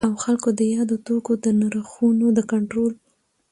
او خلګو د یادو توکو د نرخونو د کنټرول